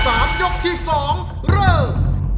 รอบที่๓ยกที่๒เริ่ม